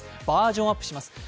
バージョンアップします。